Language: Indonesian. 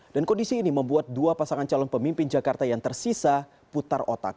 dan kondisi ini membuat dua pasangan calon pemimpin jakarta yang tersisa putar otak